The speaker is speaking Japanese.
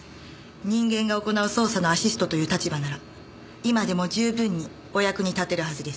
人間が行う捜査のアシストという立場なら今でも十分にお役に立てるはずです。